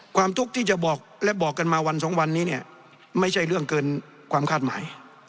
ทุกข์ที่จะบอกและบอกกันมาวันสองวันนี้เนี่ยไม่ใช่เรื่องเกินความคาดหมาย